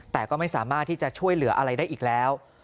แต่ก็ไม่สามารถที่จะช่วยเหลืออะไรได้อีกแล้ว